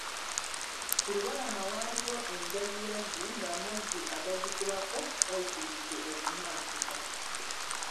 Ku lubalama waaliwo enjaziyazi ng'amazzi agazikubako Bayitiridde okumansuka.